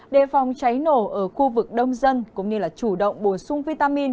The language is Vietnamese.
đề phòng cháy nổ ở khu vực đông dân cũng như là chủ động bổ sung vitamin